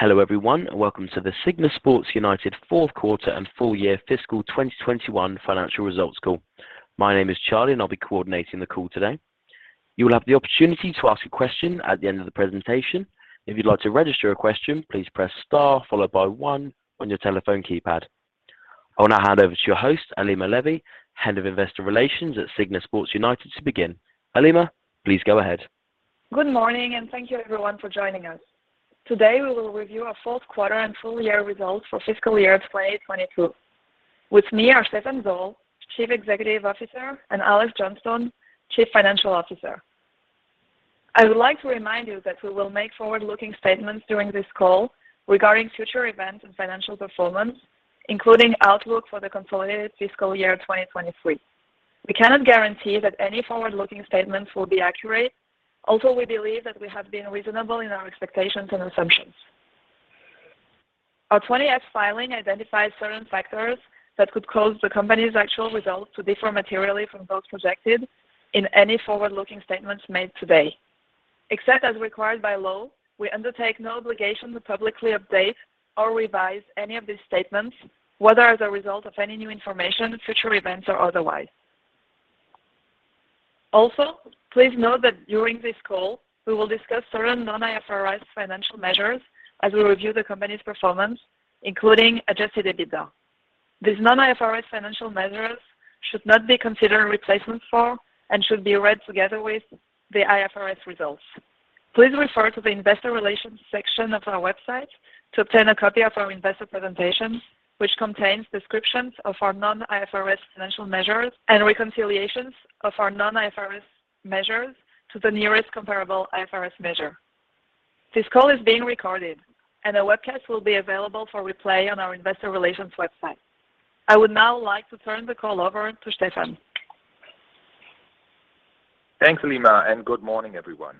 Hello, everyone, and welcome to the SIGNA Sports United fourth quarter and full year fiscal 2021 financial results call. My name is Charlie, and I'll be coordinating the call today. You will have the opportunity to ask a question at the end of the presentation. If you'd like to register a question, please press Star followed by one on your telephone keypad. I will now hand over to your host, Alima Levy, Head of Investor Relations at SIGNA Sports United, to begin. Alima, please go ahead. Good morning, and thank you everyone for joining us. Today, we will review our fourth quarter and full year results for fiscal year 2022. With me are Stephan Zoll, Chief Executive Officer, and Alex Johnstone, Chief Financial Officer. I would like to remind you that we will make forward-looking statements during this call regarding future events and financial performance, including outlook for the consolidated fiscal year 2023. We cannot guarantee that any forward-looking statements will be accurate, although we believe that we have been reasonable in our expectations and assumptions. Our 20-F filing identifies certain factors that could cause the company's actual results to differ materially from those projected in any forward-looking statements made today. Except as required by law, we undertake no obligation to publicly update or revise any of these statements, whether as a result of any new information, future events or otherwise. Also, please note that during this call, we will discuss certain non-IFRS financial measures as we review the company's performance, including adjusted EBITDA. These non-IFRS financial measures should not be considered replacements for and should be read together with the IFRS results. Please refer to the investor relations section of our website to obtain a copy of our investor presentation, which contains descriptions of our non-IFRS financial measures and reconciliations of our non-IFRS measures to the nearest comparable IFRS measure. This call is being recorded and a webcast will be available for replay on our investor relations website. I would now like to turn the call over to Stephan. Thanks, Alima. Good morning, everyone.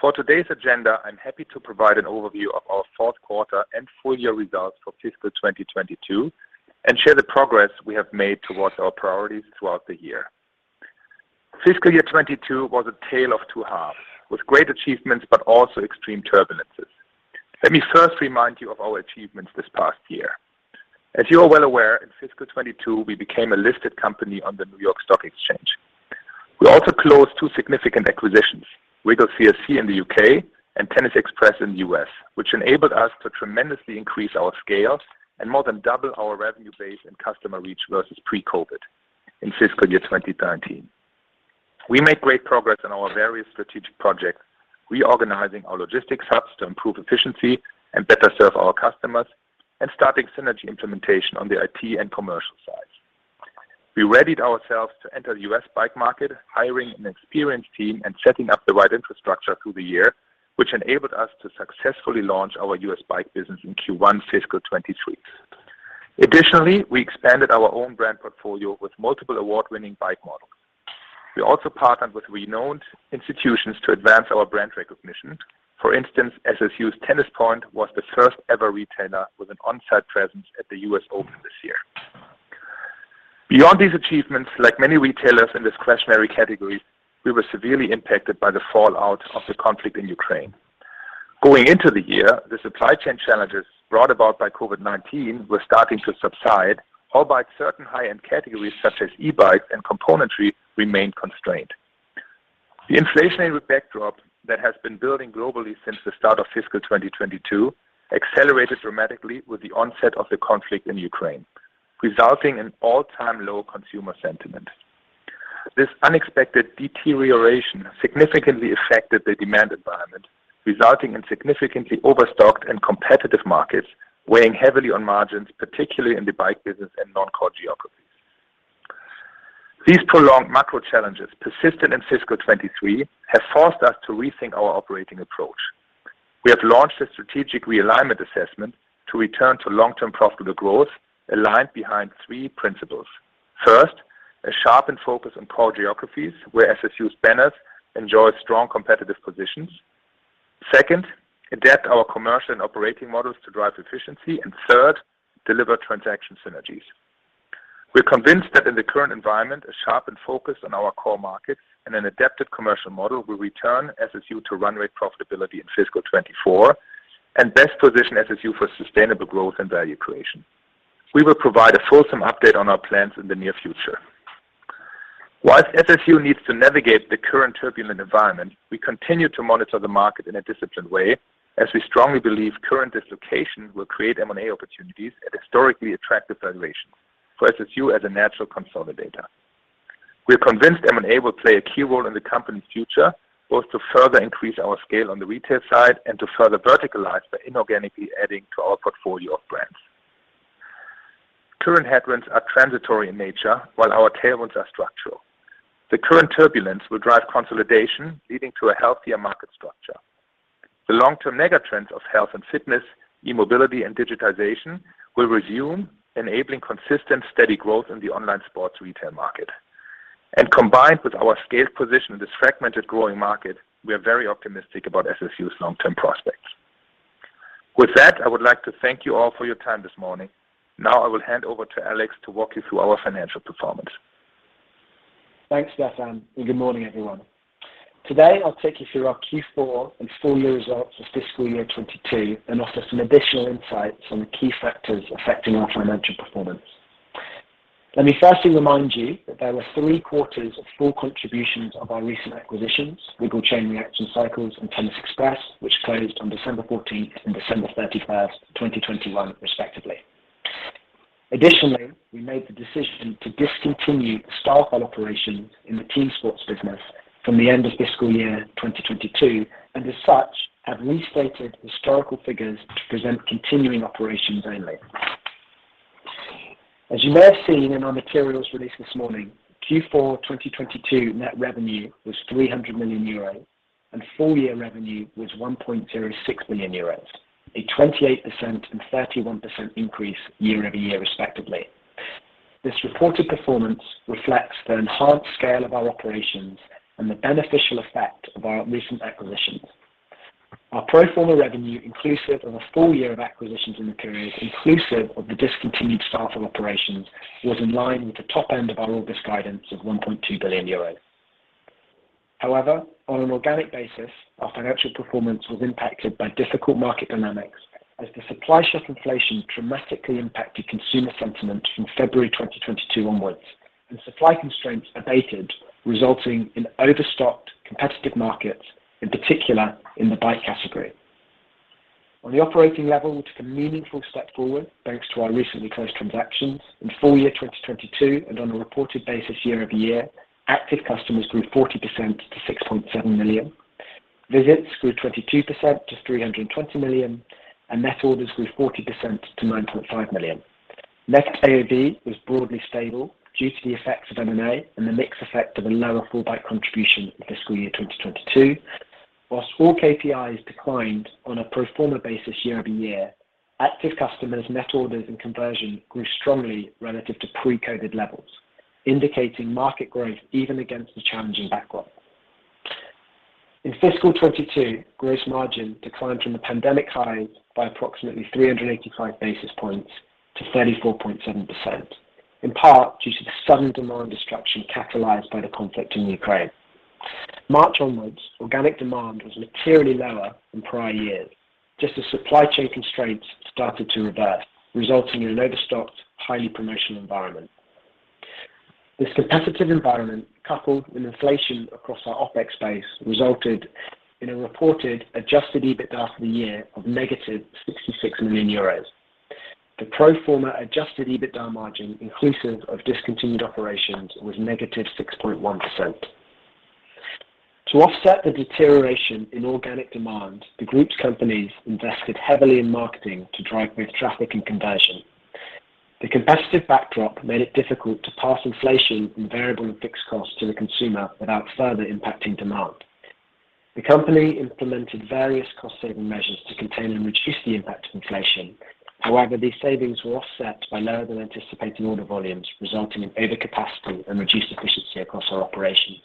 For today's agenda, I'm happy to provide an overview of our fourth quarter and full year results for fiscal 2022 and share the progress we have made towards our priorities throughout the year. Fiscal year 2022 was a tale of two halves with great achievements but also extreme turbulences. Let me first remind you of our achievements this past year. As you are well aware, in fiscal 2022, we became a listed company on the New York Stock Exchange. We also closed two significant acquisitions, WiggleCRC in the U.K. and Tennis Express in the U.S., which enabled us to tremendously increase our scale and more than double our revenue base and customer reach versus pre-COVID-19 in fiscal year 2020. We made great progress on our various strategic projects, reorganizing our logistics hubs to improve efficiency and better serve our customers and starting synergy implementation on the IT and commercial sides. We readied ourselves to enter the U.S. bike market, hiring an experienced team and setting up the right infrastructure through the year, which enabled us to successfully launch our U.S. bike business in Q1 fiscal 2023. Additionally, we expanded our own brand portfolio with multiple award-winning bike models. We also partnered with renowned institutions to advance our brand recognition. For instance, SSU's Tennis-Point was the first ever retailer with an on-site presence at the U.S. Open this year. Beyond these achievements, like many retailers in discretionary categories, we were severely impacted by the fallout of the conflict in Ukraine. Going into the year, the supply chain challenges brought about by COVID-19 were starting to subside, albeit certain high-end categories such as e-bikes and componentry remained constrained. The inflationary backdrop that has been building globally since the start of fiscal 2022 accelerated dramatically with the onset of the conflict in Ukraine, resulting in all-time low consumer sentiment. This unexpected deterioration significantly affected the demand environment, resulting in significantly overstocked and competitive markets weighing heavily on margins, particularly in the bike business and non-core geographies. These prolonged macro challenges, persistent in fiscal 2023, have forced us to rethink our operating approach. We have launched a strategic realignment assessment to return to long-term profitable growth aligned behind three principles. First, a sharpened focus on core geographies where SSU's banners enjoy strong competitive positions. Second, adapt our commercial and operating models to drive efficiency. Third, deliver transaction synergies. We're convinced that in the current environment, a sharpened focus on our core markets and an adaptive commercial model will return SSU to run rate profitability in fiscal 2024 and best position SSU for sustainable growth and value creation. We will provide a fulsome update on our plans in the near future. While SSU needs to navigate the current turbulent environment, we continue to monitor the market in a disciplined way as we strongly believe current dislocation will create M and A opportunities at historically attractive valuations for SSU as a natural consolidator. We are convinced M&A will play a key role in the company's future, both to further increase our scale on the retail side and to further verticalize by inorganically adding to our portfolio of brands. Current headwinds are transitory in nature while our tailwinds are structural. The current turbulence will drive consolidation, leading to a healthier market structure. The long-term megatrends of health and fitness, e-mobility and digitization will resume enabling consistent, steady growth in the online sports retail market. Combined with our scaled position in this fragmented growing market, we are very optimistic about SSU's long-term prospects. With that, I would like to thank you all for your time this morning. I will hand over to Alex to walk you through our financial performance. Thanks, Stephan, and good morning, everyone. Today I'll take you through our Q4 and full year results of fiscal year 2022 and offer some additional insights on the key factors affecting our financial performance. Let me firstly remind you that there were three quarters of full contributions of our recent acquisitions, Wiggle, Chain Reaction Cycles, and Tennis Express, which closed on December 14th and December 31st, 2021 respectively. Additionally, we made the decision to discontinue the Stylefile operations in the team sports business from the end of fiscal year 2022, and as such have restated historical figures to present continuing operations only. As you may have seen in our materials released this morning, Q4 2022 net revenue was 300 million euros and full year revenue was 1.06 billion euros, a 28% and 31% increase year-over-year respectively. This reported performance reflects the enhanced scale of our operations and the beneficial effect of our recent acquisitions. Our pro forma revenue inclusive of a full year of acquisitions in the period inclusive of the discontinued Stylefile operations was in line with the top end of our August guidance of 1.2 billion euros. On an organic basis, our financial performance was impacted by difficult market dynamics as the supply shock inflation dramatically impacted consumer sentiment from February 2022 onwards and supply constraints abated, resulting in overstocked competitive markets, in particular in the bike category. On the operating level, we took a meaningful step forward thanks to our recently closed transactions. In full year 2022 and on a reported basis year-over-year, active customers grew 40% to 6.7 million. Visits grew 22% to 320 million, and net orders grew 40% to 9.5 million. Net AOV was broadly stable due to the effects of M&A and the mix effect of a lower full bike contribution in fiscal year 2022. Whilst all KPIs declined on a pro forma basis year-over-year, active customers, net orders, and conversion grew strongly relative to pre-COVID levels, indicating market growth even against the challenging backdrop. In fiscal 22, gross margin declined from the pandemic high by approximately 385 basis points to 34.7%, in part due to the sudden demand destruction catalyzed by the conflict in Ukraine. March onwards, organic demand was materially lower than prior years just as supply chain constraints started to revert, resulting in an overstocked, highly promotional environment. This competitive environment, coupled with inflation across our OpEx base, resulted in a reported adjusted EBITDA for the year of negative 66 million euros. The pro forma adjusted EBITDA margin inclusive of discontinued operations was negative 6.1%. To offset the deterioration in organic demand, the group's companies invested heavily in marketing to drive both traffic and conversion. The competitive backdrop made it difficult to pass inflation from variable and fixed costs to the consumer without further impacting demand. The company implemented various cost saving measures to contain and reduce the impact of inflation. However, these savings were offset by lower than anticipated order volumes, resulting in overcapacity and reduced efficiency across our operations.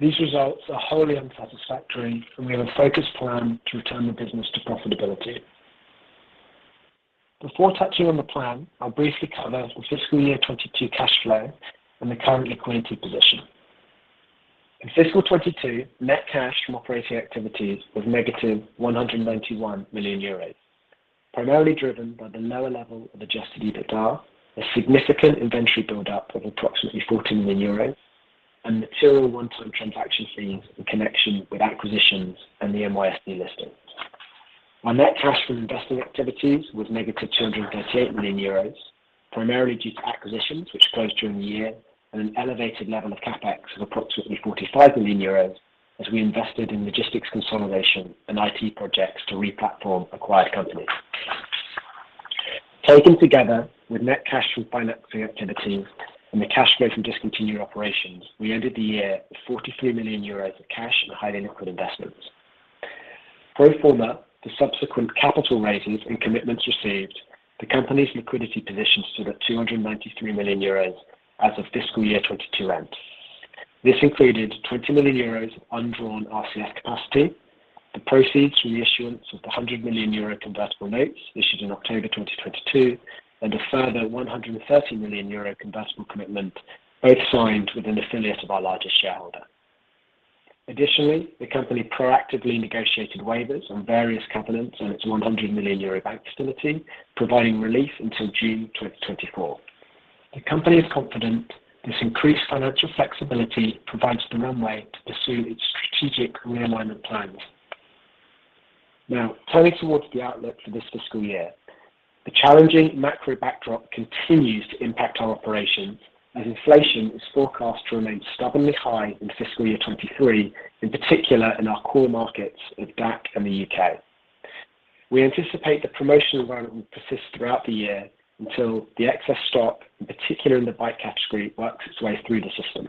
These results are wholly unsatisfactory, and we have a focused plan to return the business to profitability. Before touching on the plan, I'll briefly cover our fiscal year 22 cash flow and the current liquidity position. In fiscal 22, net cash from operating activities was negative 191 million euros, primarily driven by the lower level of adjusted EBITDA, a significant inventory buildup of approximately 14 million euros, and material one-time transaction fees in connection with acquisitions and the NYSE listing. Our net cash from investing activities was negative 238 million euros, primarily due to acquisitions which closed during the year and an elevated level of CapEx of approximately 45 million euros as we invested in logistics consolidation and IT projects to re-platform acquired companies. Taken together with net cash from financing activity and the cash flow from discontinued operations, we ended the year with 43 million euros of cash and highly liquid investments. Pro forma, the subsequent capital raises and commitments received, the company's liquidity position stood at 293 million euros as of fiscal year 2022 end. This included 20 million euros of undrawn RCF capacity, the proceeds from the issuance of the 100 million euro convertible notes issued in October 2022, and a further 130 million euro convertible commitment, both signed with an affiliate of our largest shareholder. Additionally, the company proactively negotiated waivers on various covenants on its 100 million euro bank facility, providing relief until June 2024. The company is confident this increased financial flexibility provides the runway to pursue its strategic realignment plans. Turning towards the outlook for this fiscal year. The challenging macro backdrop continues to impact our operations as inflation is forecast to remain stubbornly high in fiscal year 2023, in particular in our core markets of DACH and the U.K. We anticipate the promotional environment will persist throughout the year until the excess stock, in particular in the bike category, works its way through the system.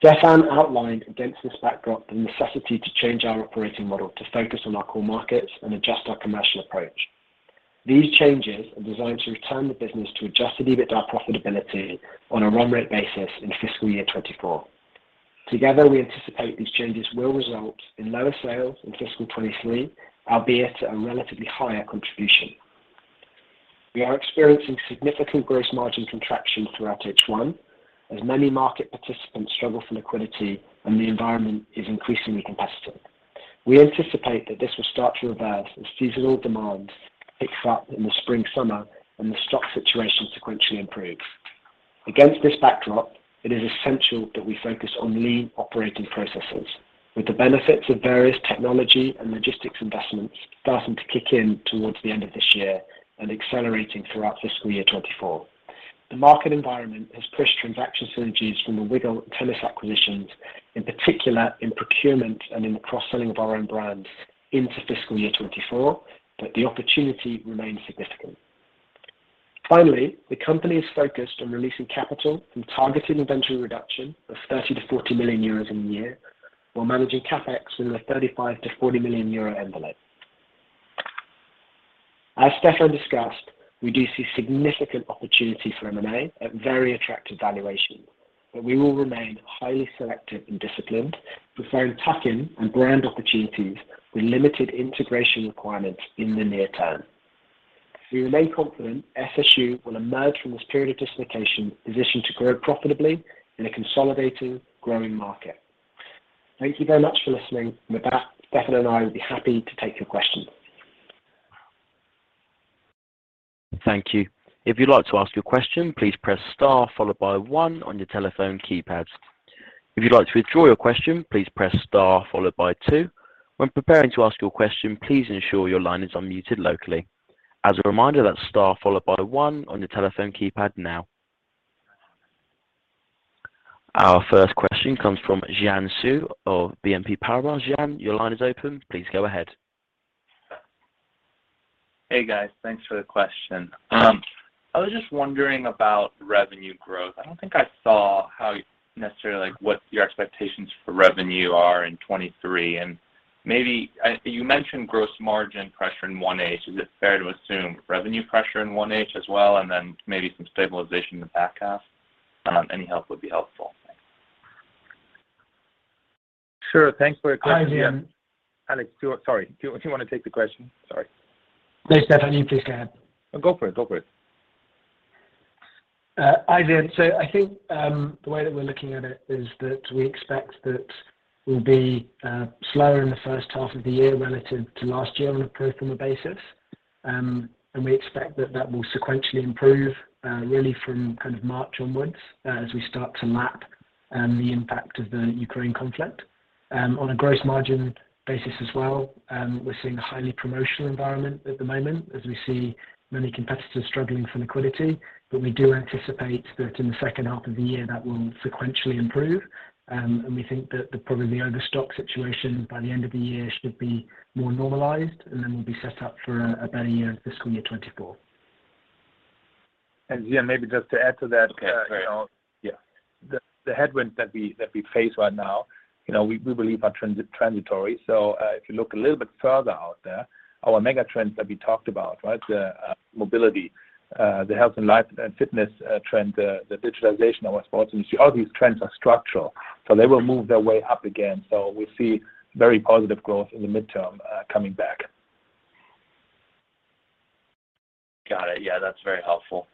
Stephan outlined against this backdrop the necessity to change our operating model to focus on our core markets and adjust our commercial approach. These changes are designed to return the business to adjusted EBITDA profitability on a run rate basis in fiscal year 2024. We anticipate these changes will result in lower sales in fiscal 2023, albeit at a relatively higher contribution. We are experiencing significant gross margin contraction throughout H1 as many market participants struggle for liquidity and the environment is increasingly competitive. We anticipate that this will start to reverse as seasonal demand picks up in the spring/summer and the stock situation sequentially improves. Against this backdrop, it is essential that we focus on lean operating processes with the benefits of various technology and logistics investments starting to kick in towards the end of this year and accelerating throughout fiscal year 2024. The market environment has pushed transaction synergies from the Wiggle and Tennis acquisitions, in particular in procurement and in the cross-selling of our own brands into fiscal year 2024, but the opportunity remains significant. Finally, the company is focused on releasing capital from targeted inventory reduction of 30 million-40 million euros in the year while managing CapEx within a 30 million-40 million euro envelope. As Stephan discussed, we do see significant opportunities for M&A at very attractive valuations, but we will remain highly selective and disciplined, preferring tuck-in and brand opportunities with limited integration requirements in the near term. We remain confident SSU will emerge from this period of dislocation positioned to grow profitably in a consolidating, growing market. Thank you very much for listening. With that, Stephan and I will be happy to take your questions. Thank you. If you'd like to ask your question, please press star followed by one on your telephone keypads. If you'd like to withdraw your question, please press star followed by two. When preparing to ask your question, please ensure your line is unmuted locally. As a reminder, that's star followed by one on your telephone keypad now. Our first question comes from Jian Xu of BNP Paribas. Jian, your line is open. Please go ahead. Hey, guys. Thanks for the question. I was just wondering about revenue growth. I don't think I saw how necessarily, like, what your expectations for revenue are in 2023. You mentioned gross margin pressure in 1H. Is it fair to assume revenue pressure in 1H as well and then maybe some stabilization in the back half? Any help would be helpful. Sure. Thanks for your question. Alex, Sorry, do you want to take the question? Sorry. No, Stephan, you please go ahead. Go for it. Go for it. Hi, Jian. I think the way that we're looking at it is that we expect that we'll be slower in the first half of the year relative to last year on a pro forma basis. We expect that that will sequentially improve really from kind of March onwards as we start to lap the impact of the Ukraine conflict. On a gross margin basis as well, we're seeing a highly promotional environment at the moment as we see many competitors struggling for liquidity. We do anticipate that in the second half of the year that will sequentially improve. We think that probably the overstock situation by the end of the year should be more normalized, we'll be set up for a better year in fiscal year 24. Jian, maybe just to add to that. The headwinds that we face right now, you know, we believe are transitory. If you look a little bit further out there, our mega trends that we talked about, right? The mobility, the health and life and fitness trend, the digitalization of our sports industry, all these trends are structural, so they will move their way up again. We see very positive growth in the midterm coming back. Got it. Yeah, that's very helpful.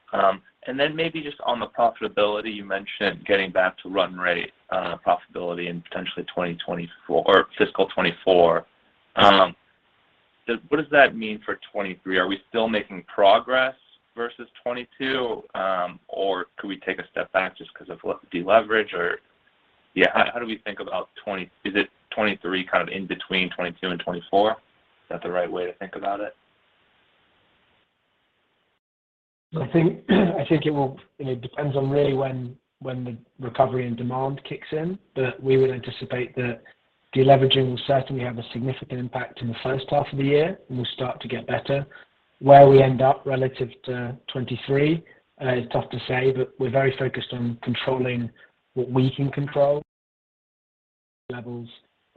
Maybe just on the profitability, you mentioned getting back to run rate profitability in potentially 2024 or fiscal 2024. What does that mean for 2023? Are we still making progress versus 2022, or could we take a step back just 'cause of de-leverage or... How do we think about Is it 2023 kind of in between 2022 and 2024? Is that the right way to think about it? I think it will. You know, it depends on really when the recovery and demand kicks in. We would anticipate that de-leveraging will certainly have a significant impact in the first half of the year, and we'll start to get better. Where we end up relative to 2023, it's tough to say, but we're very focused on controlling what we can control levels,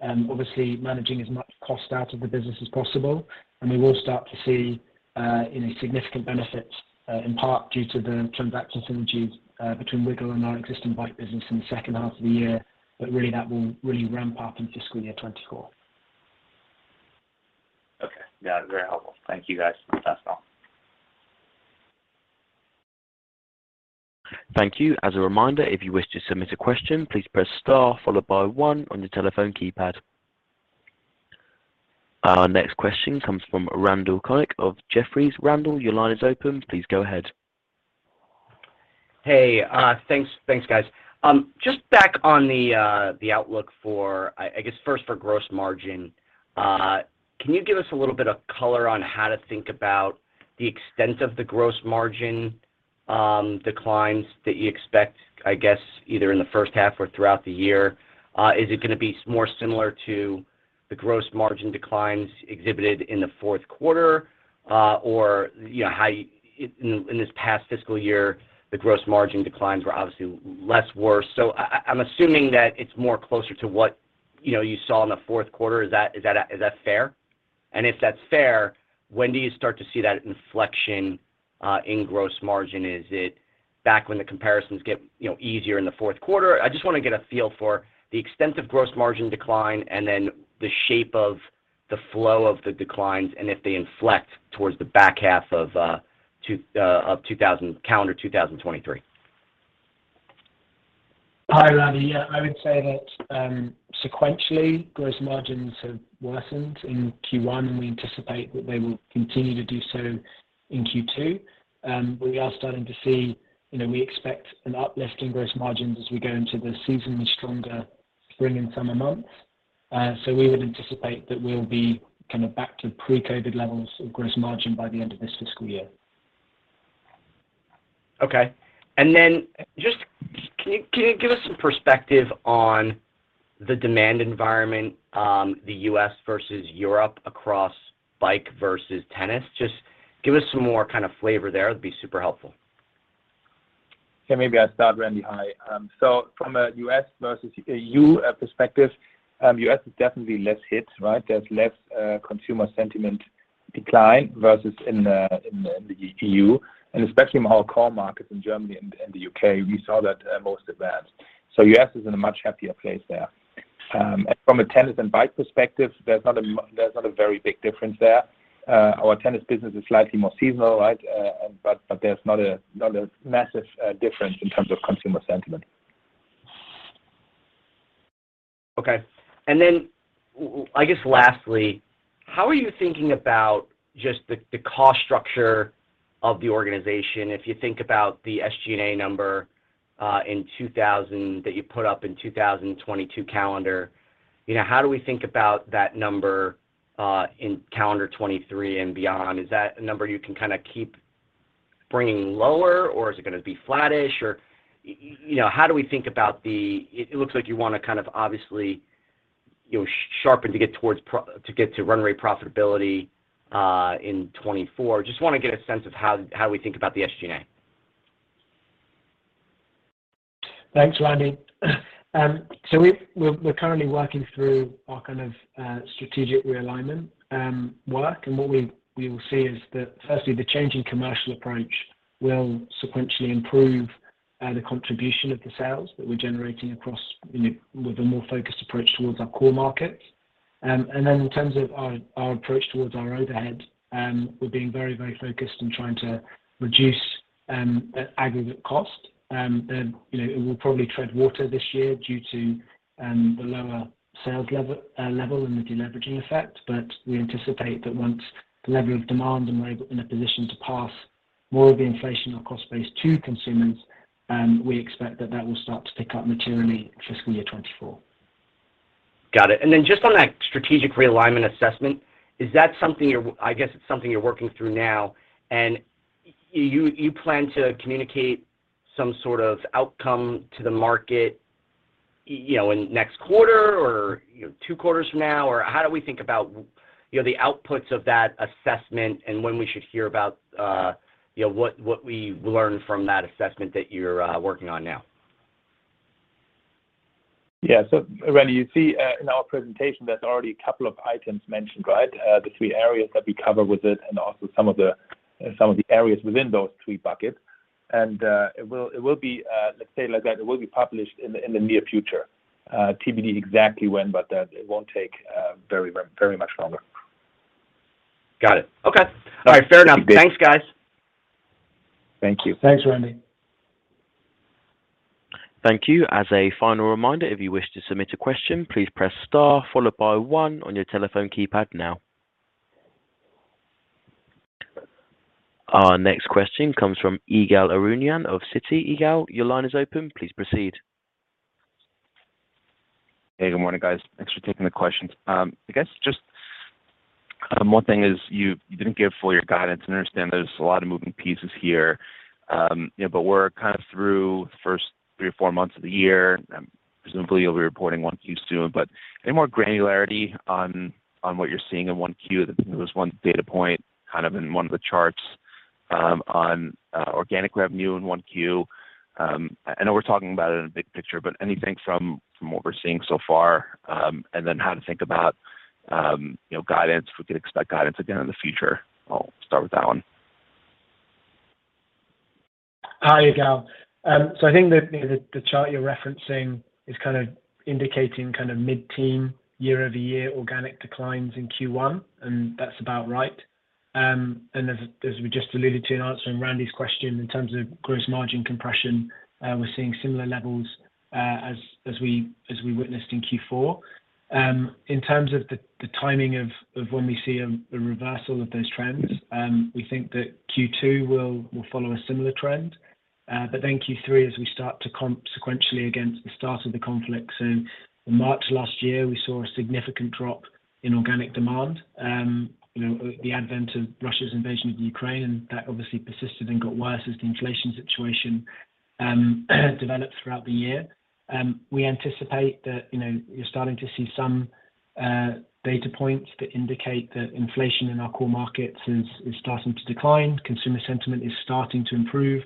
obviously managing as much cost out of the business as possible. We will start to see, you know, significant benefits, in part due to the transaction synergies, between Wiggle and our existing bike business in the second half of the year. Really that will ramp up in fiscal year 2024. Okay. That was very helpful. Thank you, guys. That's all. Thank you. As a reminder, if you wish to submit a question, please press star followed by one on your telephone keypad. Our next question comes from Randal Konik of Jefferies. Randal, your line is open. Please go ahead. Hey, thanks. Thanks, guys. Just back on the outlook for, I guess first for gross margin, can you give us a little bit of color on how to think about the extent of the gross margin declines that you expect, I guess, either in the first half or throughout the year? Is it going to be more similar to the gross margin declines exhibited in the fourth quarter, or, you know, how in this past fiscal year, the gross margin declines were obviously less worse. I'm assuming that it's more closer to what, you know, you saw in the fourth quarter. Is that fair? If that's fair, when do you start to see that inflection in gross margin? Back when the comparisons get, you know, easier in the fourth quarter. I just want to get a feel for the extent of gross margin decline and then the shape of the flow of the declines and if they inflect towards the back half of calendar 2023. Hi, Randy. Yeah, I would say that, sequentially, gross margins have worsened in Q1, and we anticipate that they will continue to do so in Q2. We are starting to see, you know, we expect an uplift in gross margins as we go into the seasonally stronger spring and summer months. We would anticipate that we'll be kinda back to pre-COVID levels of gross margin by the end of this fiscal year. Okay. Then just can you give us some perspective on the demand environment, the U.S. versus Europe across bike versus tennis? Just give us some more kind of flavor there. It'd be super helpful. Yeah, maybe I'll start, Randy. Hi. From a US versus EU perspective, U.S. is definitely less hit, right? There's less consumer sentiment decline versus in the EU, and especially in our core markets in Germany and the U.K. We saw that most advanced. U.S. is in a much happier place there. From a tennis and bike perspective, there's not a very big difference there. Our tennis business is slightly more seasonal, right? There's not a, not a massive difference in terms of consumer sentiment. Okay. I guess lastly, how are you thinking about just the cost structure of the organization? If you think about the SG&A number, that you put up in 2022 calendar, you know, how do we think about that number, in calendar 2023 and beyond? Is that a number you can kind of keep bringing lower, or is it going to be flattish, or, you know, how do we think about the? It looks like you want to kind of obviously, you know, sharpen to get towards to get to run rate profitability, in 2024. Just want to get a sense of how we think about the SG&A. Thanks, Randy. We're currently working through our kind of strategic realignment work. What we will see is that firstly, the change in commercial approach will sequentially improve the contribution of the sales that we're generating across, you know, with a more focused approach towards our core markets. In terms of our approach towards our overhead, we're being very focused in trying to reduce the aggregate cost. You know, it will probably tread water this year due to the lower sales level and the deleveraging effect. We anticipate that once the level of demand and we're in a position to pass more of the inflation or cost base to consumers, we expect that that will start to tick up materially in fiscal year 2024. Got it. Just on that strategic realignment assessment, is that something I guess it's something you're working through now, and you plan to communicate some sort of outcome to the market, you know, in next quarter or, you know, two quarters from now? Or how do we think about, you know, the outputs of that assessment and when we should hear about, you know, what we learn from that assessment that you're working on now? Yeah. Randy, you see, in our presentation there's already 2 items mentioned, right? The three areas that we cover with it and also some of the areas within those 3 buckets. It will be, let's say it like that, it will be published in the near future. TBD exactly when, but it won't take very much longer. Got it. Okay. All right. Fair enough. Thanks, guys. Thank you. Thanks, Randy. Thank you. As a final reminder, if you wish to submit a question, please press star followed by one on your telephone keypad now. Our next question comes from Ygal Arounian of Citi. Ygal, your line is open. Please proceed. Hey, good morning, guys. Thanks for taking the questions. I guess just one thing is you didn't give full year guidance. I understand there's a lot of moving pieces here. You know, we're kind of through the first three or four months of the year, presumably you'll be reporting 1 Q soon. Any more granularity on what you're seeing in 1 Q? There was 1 data point kind of in one of the charts on organic revenue in 1 Q. I know we're talking about it in a big picture, anything from what we're seeing so far, how to think about, you know, guidance, if we could expect guidance again in the future? I'll start with that 1. Hi, Ygal. I think the chart you're referencing is kind of indicating mid-teen year-over-year organic declines in Q1, and that's about right. As we just alluded to in answering Randy's question, in terms of gross margin compression, we're seeing similar levels as we witnessed in Q4. In terms of the timing of when we see a reversal of those trends, we think that Q2 will follow a similar trend. Q3 as we start to sequentially against the start of the conflict. In March last year, we saw a significant drop in organic demand, you know, with the advent of Russia's invasion of Ukraine, and that obviously persisted and got worse as the inflation situation developed throughout the year. We anticipate that, you know, you're starting to see some data points that indicate that inflation in our core markets is starting to decline. Consumer sentiment is starting to improve.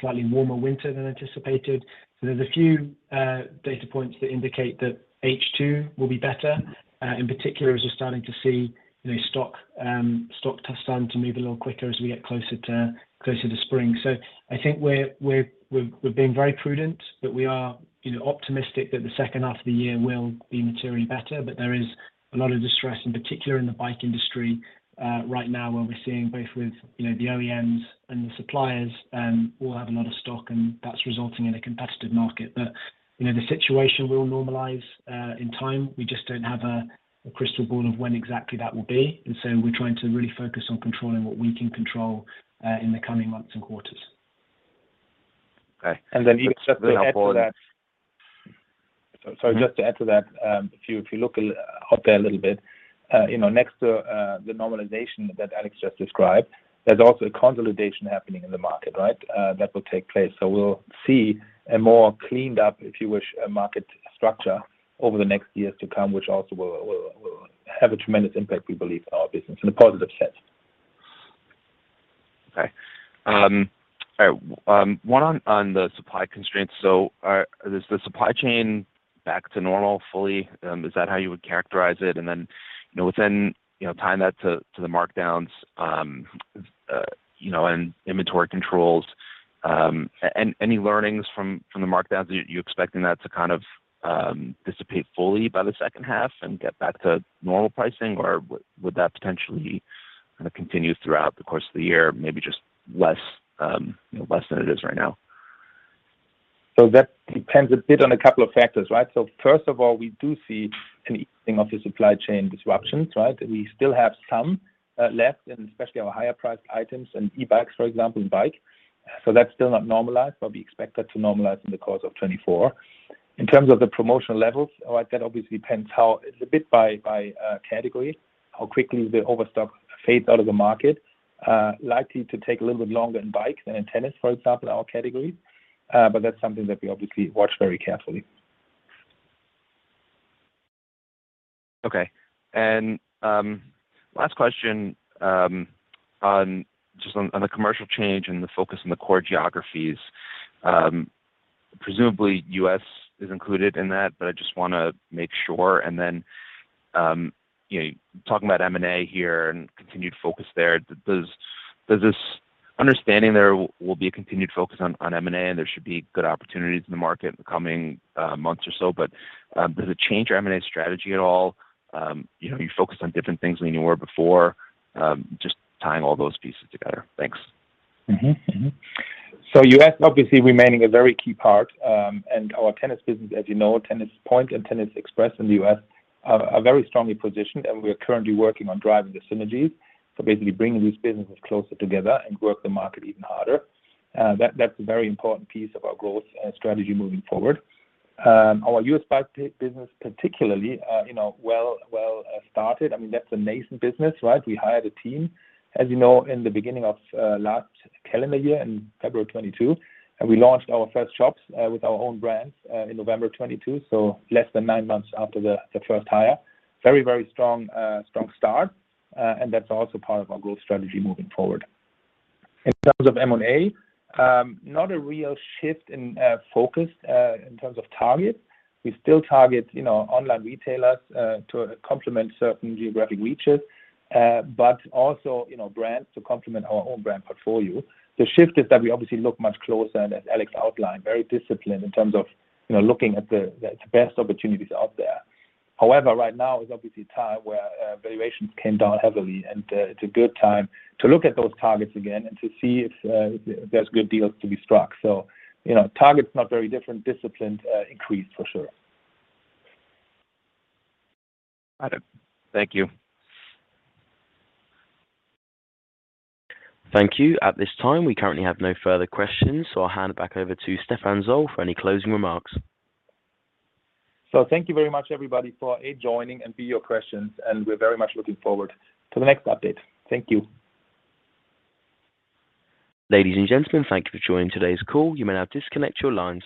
Slightly warmer winter than anticipated. There's a few data points that indicate that H2 will be better, in particular, as we're starting to see, you know, stock test time to move a little quicker as we get closer to spring. I think we're being very prudent, but we are, you know, optimistic that the second half of the year will be materially better. There is a lot of distress, in particular in the bike industry right now where we're seeing both with, you know, the OEMs and the suppliers, all have a lot of stock, and that's resulting in a competitive market. You know, the situation will normalize in time. We just don't have a crystal ball of when exactly that will be. We're trying to really focus on controlling what we can control in the coming months and quarters. Okay. Even just to add to that... Just to add to that, if you, if you look out there a little bit, you know, next to, the normalization that Alex just described, there's also a consolidation happening in the market, right, that will take place. We'll see a more cleaned up, if you wish, a market structure over the next years to come, which also will have a tremendous impact, we believe, on our business in a positive sense. Okay. All right, one on the supply constraints. Is the supply chain back to normal fully? Is that how you would characterize it? Then, you know, within, you know, tying that to the markdowns, you know, and inventory controls, any learnings from the markdowns? Are you expecting that to kind of dissipate fully by the second half and get back to normal pricing? Would that potentially kinda continue throughout the course of the year, maybe just less, you know, less than it is right now? That depends a bit on a couple of factors, right? First of all, we do see an easing of the supply chain disruptions, right? We still have some left, and especially our higher priced items and e-bikes, for example, and bike. That's still not normalized, but we expect that to normalize in the course of 2024. In terms of the promotional levels, right, that obviously depends how it's a bit by category, how quickly the overstock fades out of the market. Likely to take a little bit longer in bike than in tennis, for example, our category. That's something that we obviously watch very carefully. Okay. Last question, on the commercial change and the focus on the core geographies. Presumably, U.S. is included in that, but I just want to make sure. Then, you know, talking about M&A here and continued focus there, does this understanding there will be a continued focus on M&A, and there should be good opportunities in the market in the coming, months or so. Does it change your M&A strategy at all? You know, are you focused on different things than you were before? Just tying all those pieces together. Thanks. U.S. obviously remaining a very key part. And our tennis business, as you know, Tennis-Point and Tennis Express in the U.S. are very strongly positioned, and we are currently working on driving the synergies. Basically bringing these businesses closer together and work the market even harder. That's a very important piece of our growth strategy moving forward. Our U.S. bike business particularly, you know, well started. I mean, that's a nascent business, right? We hired a team, as you know, in the beginning of last calendar year in February 2022, and we launched our first shops with our own brands in November 2022, so less than 9 months after the first hire. Very strong start. And that's also part of our growth strategy moving forward. In terms of M&A, not a real shift in focus in terms of targets. We still target, you know, online retailers to complement certain geographic reaches, but also, you know, brands to complement our own brand portfolio. The shift is that we obviously look much closer, and as Alex outlined, very disciplined in terms of, you know, looking at the best opportunities out there. However, right now is obviously a time where valuations came down heavily, and it's a good time to look at those targets again and to see if there's good deals to be struck. You know, target's not very different. Discipline increased for sure. Got it. Thank you. Thank you. At this time, we currently have no further questions, so I'll hand it back over to Stephan Zoll for any closing remarks. Thank you very much everybody for, A, joining and, B, your questions, and we're very much looking forward to the next update. Thank you. Ladies and gentlemen, thank you for joining today's call. You may now disconnect your lines.